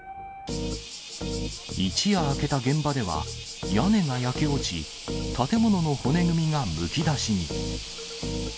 一夜明けた現場では、屋根が焼け落ち、建物の骨組みがむき出しに。